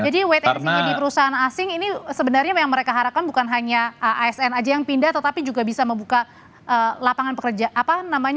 jadi wait and see di perusahaan asing ini sebenarnya yang mereka harapkan bukan hanya asn aja yang pindah tetapi juga bisa membuka lapangan pekerjaan